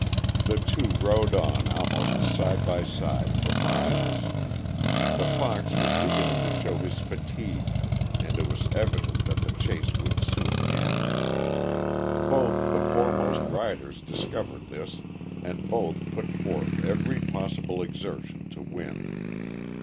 The two rode on almost side by side for miles. The fox was beginning to show his fatigue, and it was evident that the chase would soon end. Both the foremost riders discovered this, and both put forth every possible exertion to win.